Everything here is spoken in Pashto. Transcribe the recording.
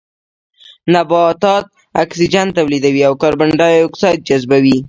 نباتات اکسيجن توليدوي او کاربن ډای اکسايد جذبوي